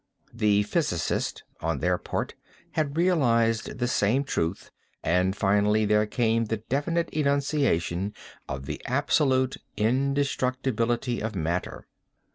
The physicists on their part had realized this same truth and finally there came the definite enunciation of the absolute indestructibility of matter.